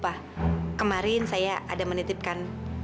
wah kemarin saya ada menitipkan